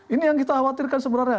ini yang kita khawatirkan sebenarnya